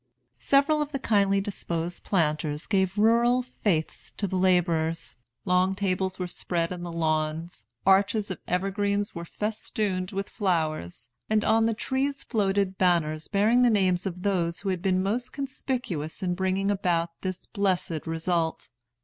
Several of the kindly disposed planters gave rural fêtes to the laborers. Long tables were spread in the lawns, arches of evergreens were festooned with flowers, and on the trees floated banners bearing the names of those who had been most conspicuous in bringing about this blessed result.